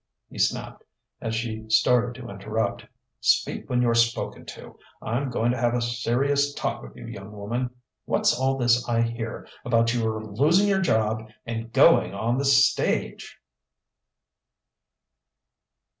he snapped, as she started to interrupt. "Speak when you're spoken to.... I'm going to have a serious talk with you, young woman.... What's all this I hear about your losing your job and going on the stage?"